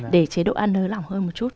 để chế độ ăn hơi lòng hơn một chút